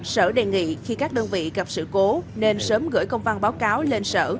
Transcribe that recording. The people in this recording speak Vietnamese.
sở đề nghị khi các đơn vị gặp sự cố nên sớm gửi công văn báo cáo lên sở